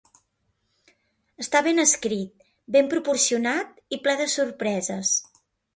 Està ben escrit, ben proporcionat, i ple de sorpreses.